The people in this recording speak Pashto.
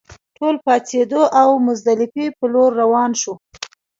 ټول پاڅېدو او مزدلفې پر لور روان شوو.